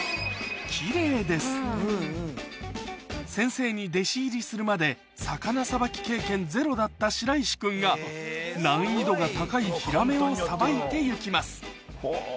先生に弟子入りするまで魚さばき経験ゼロだった白石君が難易度が高いヒラメをさばいて行きます